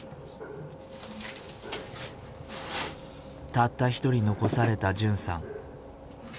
たった一人残された純さん。